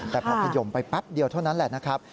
แต่พอขยมไปแป๊บเดียวเท่านั้นแหละนะครับ